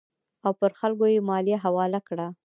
او پر خلکو یې مالیه حواله کړه.